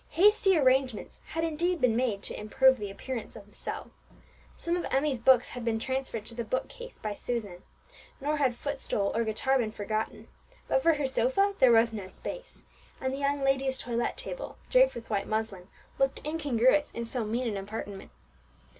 Hasty arrangements had indeed been made to improve the appearance of the cell. Some of Emmie's books had been transferred to the bookcase by Susan, nor had footstool or guitar been forgotten; but for her sofa there was no space, and the young lady's toilette table, draped with white muslin, looked incongruous in so mean an apartment.